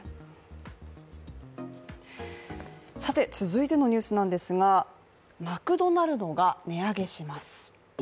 続いてのニュースなんですが、マクドナルドが値上げします。